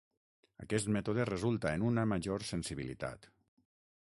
Aquest mètode resulta en una major sensibilitat.